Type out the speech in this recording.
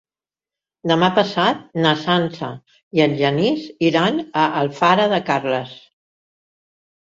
Demà passat na Sança i en Genís iran a Alfara de Carles.